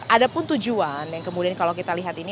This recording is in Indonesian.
ada pun tujuan yang kemudian kalau kita lihat ini